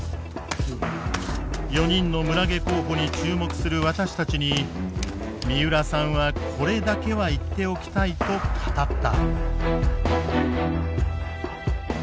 ４人の村下候補に注目する私たちに三浦さんはこれだけは言っておきたいと語った。